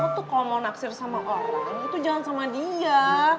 kau tuh kalau mau naksir sama orang itu jangan sama dia